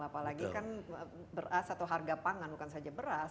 apalagi kan beras atau harga pangan bukan saja beras